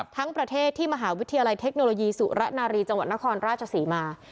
ทั้งประเทศที่มหาวิทยาลัยเทคโนโลยีสุระนารีจังหวัดนครราชศรีมา